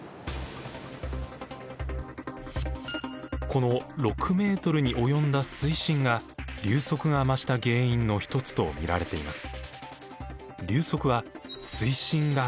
この６ｍに及んだ水深が流速が増した原因の一つと見られています。